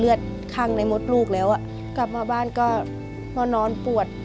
เมื่อที่กลับกี่ปากเรือนอนปวด